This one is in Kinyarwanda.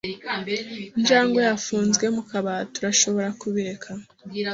Injangwe yafunzwe mu kabati. Urashobora kubireka?